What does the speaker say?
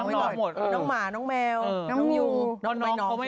ว่าน้อย